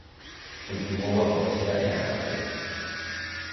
Cultivou a poesía e a narrativa.